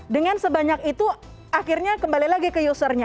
dengan sebanyak itu akhirnya kembali lagi ke usernya